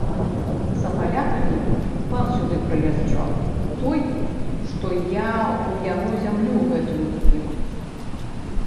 За палякамі пан сюды прыязджаў, той, што я ў яго зямлю гэтую купіў.